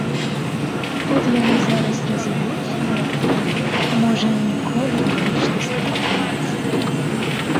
От яны зараз разыдуцца і, можа, ніколі больш не спаткаюцца.